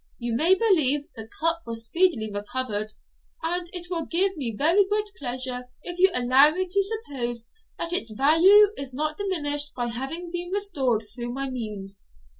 You may believe the cup was speedily recovered; and it will give me very great pleasure if you allow me to suppose that its value is not diminished by having been restored through my means."